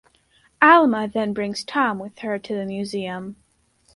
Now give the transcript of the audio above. Alma then brings Tom with her to the museum.